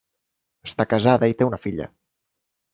Està casada i té una filla.